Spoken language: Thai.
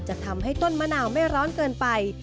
จะทำให้ต้นมะนาวไม่ร้อนเกินไป